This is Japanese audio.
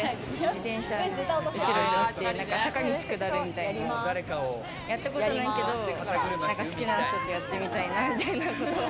自転車の後ろに乗って坂道下るみたいな、やったことないけど、好きな人とやってみたいなぁ。